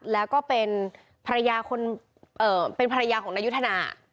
แล้วก็เป็นภรรยาของนายุธนา